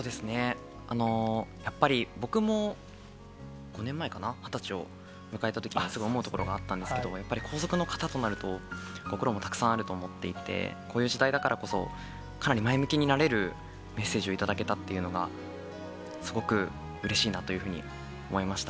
やっぱり僕も５年前かな、２０歳を迎えたときにすごい思うところがあったんですけども、やっぱり皇族の方となると、ご苦労もたくさんあると思っていて、こういう時代だからこそ、かなり前向きになれるメッセージを頂けたっていうのが、すごくうれしいなというふうに思いました。